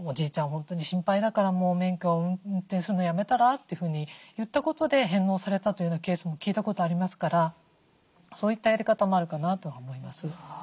本当に心配だからもう免許運転するのやめたら？」というふうに言ったことで返納されたというケースも聞いたことありますからそういったやり方もあるかなとは思います。